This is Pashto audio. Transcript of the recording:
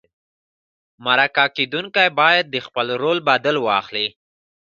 مرکه کېدونکی باید د خپل رول بدل واخلي.